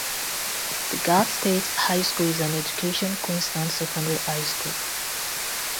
The Gap State High School is an Education Queensland Secondary High School.